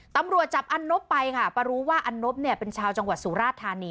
ตำรวจจับอันนบไปค่ะมารู้ว่าอันนบเนี่ยเป็นชาวจังหวัดสุราชธานี